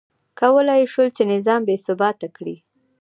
کولای یې شول چې نظام بې ثباته کړي.